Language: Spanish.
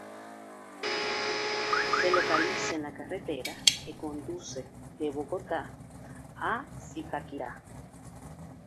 Se localiza en la carretera que conduce de Bogotá a Zipaquirá.